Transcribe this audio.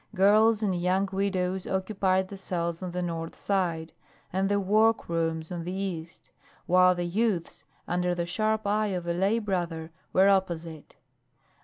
Girls and young widows occupied the cells on the north side, and the work rooms on the east, while the youths, under the sharp eye of a lay brother, were opposite.